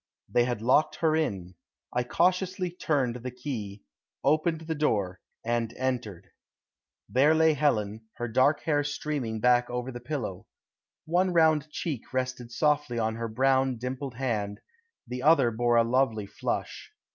They had locked her in. I cautiously turned the key, opened the door, and entered. There lay Helen, her dark hair streaming back over the pillow. One round cheek rested softly on her brown, dimpled hand, the other bore a lovely flush.